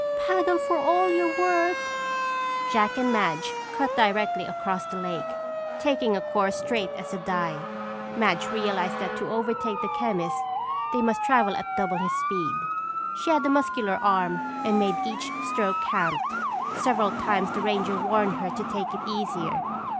"Paddle for all you're worth!" Jack and Madge cut directly across the lake, taking a course straight as a die. Madge realized that to overtake the chemist they must travel at double his speed. She had a muscular arm and made each stroke count. Several times the ranger warned her to take it easier.